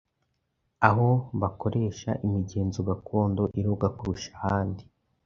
aho bakoresha imigenzo gakondo iroga kurusha ahandi?